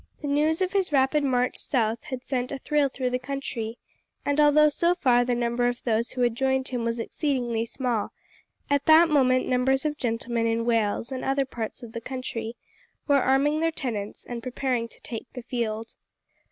The news of his rapid march south had sent a thrill through the country; and although so far the number of those who had joined him was exceedingly small, at that moment numbers of gentlemen in Wales and other parts of the country were arming their tenants, and preparing to take the field.